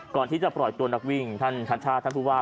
ก่อนที่จะปล่อยตัวนักวิ่งท่านชัชชาติท่านผู้ว่า